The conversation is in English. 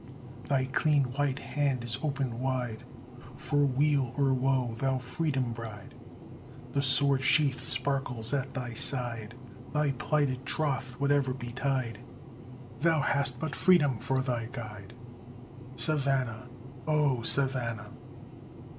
Thy clean white hand is opened wide For weal or woe, thou Freedom Bride; The sword sheath sparkles at thy side, Thy plighted troth, whate'er betide, Thou hast but Freedom for thy guide, Savannah! O Savannah!